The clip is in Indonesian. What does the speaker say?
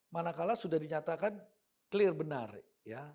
manakala sudah dinyatakan clear benar ya